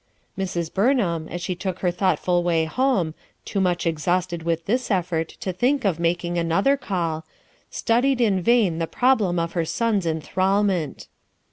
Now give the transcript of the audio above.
Sirs. Burnham, as she took her thoughtful way home, too much exhausted with this effort to think of making another call, studied in vain the problem of her son's inthralment.